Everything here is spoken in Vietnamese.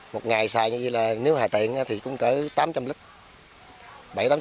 một ngày xài như vậy là nếu hài tiện thì cũng cỡ tám trăm linh lít